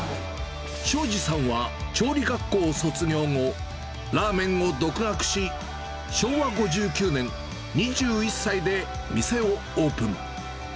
庄司さんは調理学校を卒業後、ラーメンを独学し、昭和５９年、２１歳で店をオープン。